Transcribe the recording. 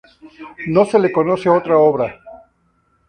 No se le conoce otra obra.